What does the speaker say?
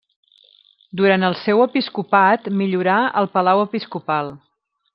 Durant el seu episcopat millorà el palau episcopal.